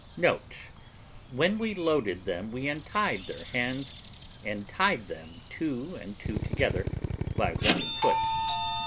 Note, when we loaded them we untied their hands, and tied them two and two together by one foot.